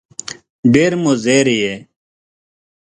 ډېر مضر یې !